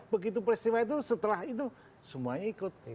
begitu peristiwa itu setelah itu semuanya ikut